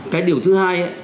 cái điều thứ hai